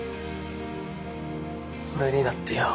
俺にだってよ